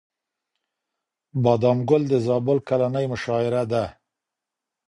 بادام ګل د زابل کلنۍ مشاعره ده.